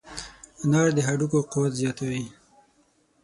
انار د هډوکو قوت زیاتوي.